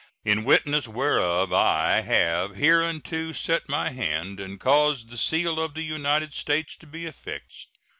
In witness whereof I have hereunto set my hand and caused the seal of the United States to be affixed.